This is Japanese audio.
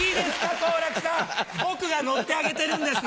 好楽さん僕がノッてあげてるんですよ。